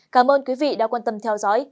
cảm ơn quý vị đã quan tâm theo dõi